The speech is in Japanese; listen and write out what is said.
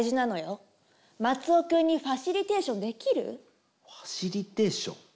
マツオくんにファシリテーションできる？ファシリテーション？